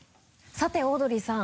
さてオードリーさん。